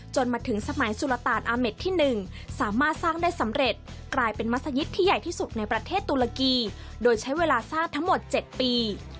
มาถึงสมัยสุรตานอาเมดที่๑สามารถสร้างได้สำเร็จกลายเป็นมัศยิตที่ใหญ่ที่สุดในประเทศตุรกีโดยใช้เวลาสร้างทั้งหมด๗ปี